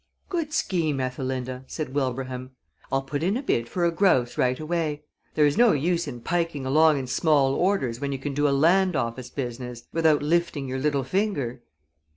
"Good scheme, Ethelinda," said Wilbraham. "I'll put in a bid for a gross right away. There is no use in piking along in small orders when you can do a land office business without lifting your little finger."